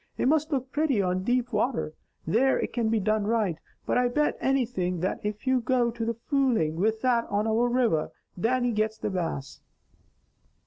It must look pretty on deep water, where it can be done right, but I bet anything that if you go to fooling with that on our river, Dannie gets the Bass."